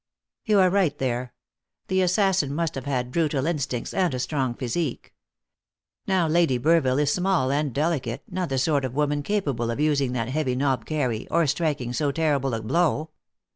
"You are right there. The assassin must have had brutal instincts and a strong physique. Now, Lady Burville is small and delicate, not the sort of woman capable of using that heavy knobkerrie, or striking so terrible a blow.